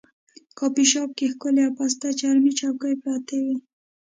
کافي شاپ کې ښکلې او پسته چرمي چوکۍ پرتې وې.